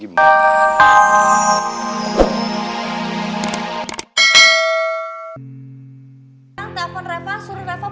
masa itu telfon dia sekarang